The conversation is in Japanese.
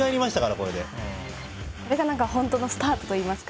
これが本当のスタートといいますか。